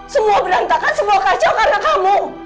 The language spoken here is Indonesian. semua berantakan semua kacau karena kamu